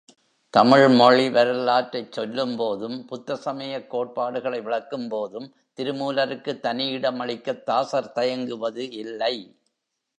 தமிழ்மொழி வரலாற்றைச் சொல்லும்போதும், புத்த சமயக் கோட்பாடுகளை விளக்கும்போதும் திருமூலருக்குத் தனியிடம் அளிக்கத் தாசர் தயங்குவது இல்லை.